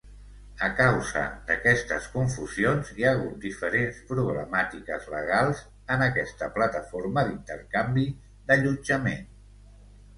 A causa d'aquestes confusions hi ha hagut diferents problemàtiques legals en aquesta plataforma d'intercanvi d'allotjament.